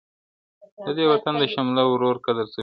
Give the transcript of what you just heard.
د دې وطن د شمله ورو قدر څه پیژني.